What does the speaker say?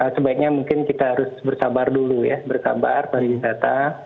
sebaiknya mungkin kita harus bersabar dulu ya bersabar pariwisata